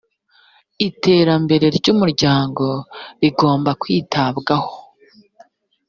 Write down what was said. iterambere ry ‘ umuryango rigomba kwitabwaho.